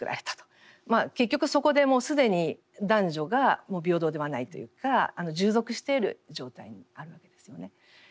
結局そこでもう既に男女が平等ではないというか従属している状態にあるわけですよね。